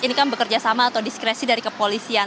ini kan bekerja sama atau diskresi dari kepolisian